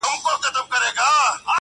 o خپله خوله هم کلا ده، هم بلا!